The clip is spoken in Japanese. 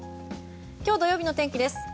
今日土曜日の天気です。